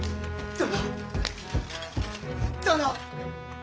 殿！